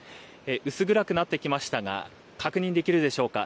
薄暗くなってきましたが確認できるでしょうか。